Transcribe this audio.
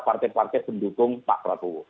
partai partai pendukung pak prabowo